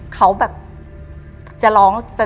เขาแบบจะร้อง